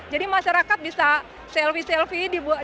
jadi masyarakat bisa selfie selfie di bumd